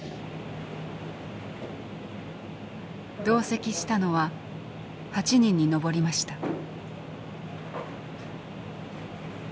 同席したのは８人に上りました。